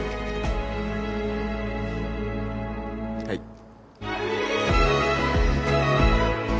はい。